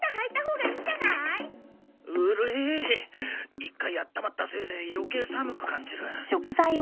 １回あったまったせいで余計寒く感じる。